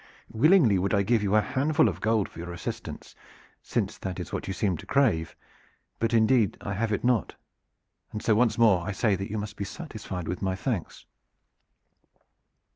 Willingly would I give you a handful of gold for your assistance, since that is what you seem to crave; but indeed I have it not, and so once more I say that you must be satisfied with my thanks."